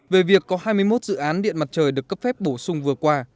về việc có hai mươi một dự án điện mặt trời được cấp phép bổ sung vừa qua